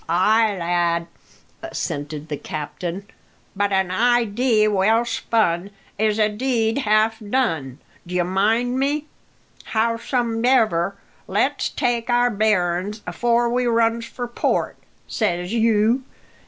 "Ay, lad," assented the captain, "but an idee well spun is a deed half done, d'ye mind me. Howsomedever, let's take our bearin's afore we runs for port, says you.